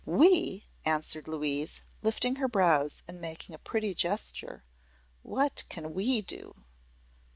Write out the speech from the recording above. "We?" answered Louise, lifting her brows and making a pretty gesture. "What can we do?"